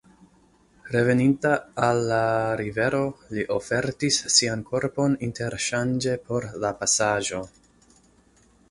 Reveninte al la rivero li ofertis sian korpon interŝanĝe por la pasaĵo.